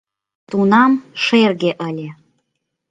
— Тунам шерге ыле...